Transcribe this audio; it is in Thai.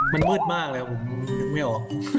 มันมืดมากเลยผมนึกไม่ออก